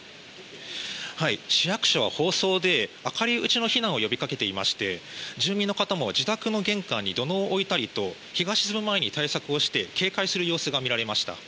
市役所は放送で明るいうちの避難を呼びかけていまして住民の方も自宅の玄関に土のうを置いたりと日が沈む前に対策をして警戒する様子が見られました。